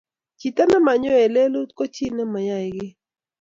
chito ne mayoe lelut ko chi ne mayae kiy